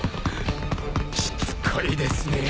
しつこいですね。